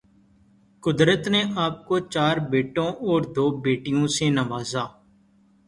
قدرت نے آپ کو چار بیٹوں اور دو بیٹیوں سے نوازا